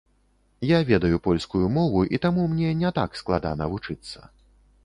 Я ведаю польскую мову і таму мне не так складана вучыцца.